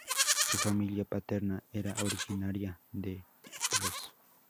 Su familia paterna era originaria de Ypres.